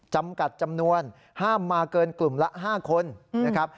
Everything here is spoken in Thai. จำกัดจำนวนห้ามมาเกินกลุ่มละ๕คนนะครับ